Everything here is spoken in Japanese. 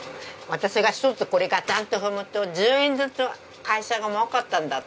私が一つこれガチャンと踏むと１０円ずつ会社が儲かったんだって。